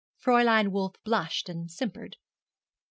Fräulein Wolf blushed and simpered.